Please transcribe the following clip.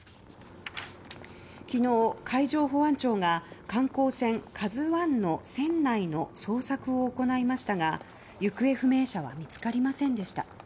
昨日、海上保安庁が観光船「ＫＡＺＵ１」の船内の捜索を行いましたが行方不明者は見つかりませんでした。